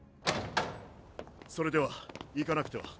それでは行かなくては！